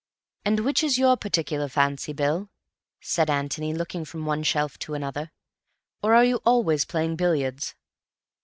"And which is your particular fancy, Bill?" said Antony, looking from one shelf to another. "Or are you always playing billiards?"